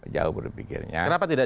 jauh berpikirnya kenapa tidak